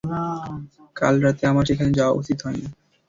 কাল রাতে আমার সেখানে যাওয়া উচিত হয়নি।